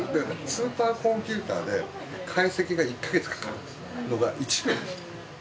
スーパーコンピューターで解析が１カ月かかるのが１秒でできる。